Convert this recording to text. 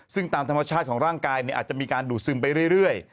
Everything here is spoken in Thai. ซึ่งตามธรรมชาติของร่างกายอาจจะมีการดูดซึมไปเรื่อย